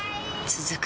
続く